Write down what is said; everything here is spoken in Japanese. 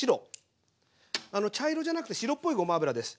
茶色じゃなくて白っぽいごま油です。